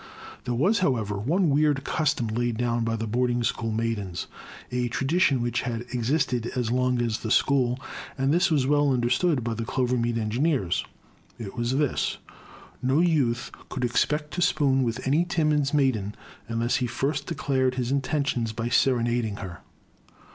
There was, however, one weird custom laid down by the boarding school maidens, a tradition which had existed as long as the school; and this was well understood by the Clovermead Engi neers. It was this : no youth could expect to spoon with any Timmins maiden unless he first declared his intentions by serenading her.